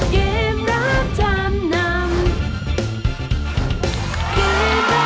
เฮ้มันมาเยอะ